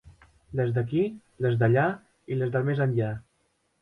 Les d'aquí, les d'allà i les del més enllà.